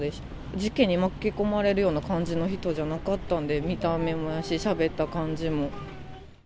事件に巻き込まれるような感じの人じゃなかったんで、見た目もやし、しゃべった感じも。